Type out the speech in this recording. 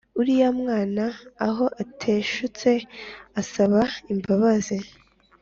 uriya mwana aho ateshutse asaba imbabazi